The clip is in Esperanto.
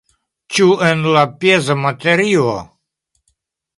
Ĉu en la peza materio?